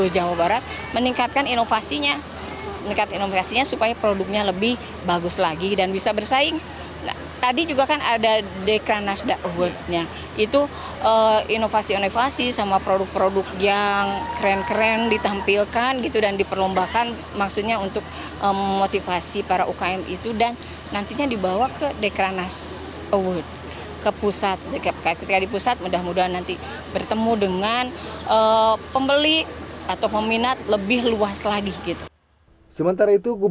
jawa barat dua ribu dua puluh tiga